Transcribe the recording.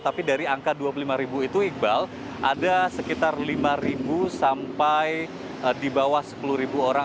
tapi dari angka dua puluh lima itu iqbal ada sekitar lima sampai di bawah sepuluh orang